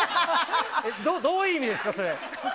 どういう意味ですか、それ？